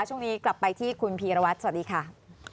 ช่วงนี้กลับไปที่คุณพีรวัตรสวัสดีค่ะ